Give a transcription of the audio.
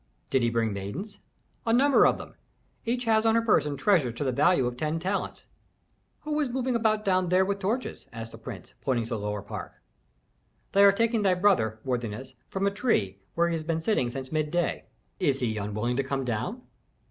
"Did he bring maidens?" "A number of them. Each has on her person treasures to the value of ten talents." "Who is moving about down there with torches?" asked the prince, pointing to the lower park. "They are taking thy brother, worthiness, from a tree where he has been sitting since midday." "Is he unwilling to come down?"